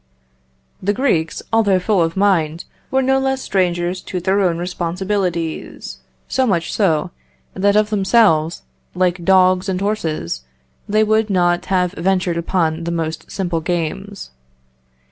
The Greeks, although full of mind, were no less strangers to their own responsibilities; so much so, that of themselves, like dogs and horses, they would not have ventured upon the most simple games.